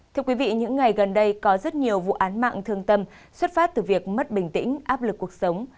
thưa quý vị những ngày gần đây có rất nhiều vụ án mạng thương tâm xuất phát từ việc mất bình tĩnh áp lực cuộc sống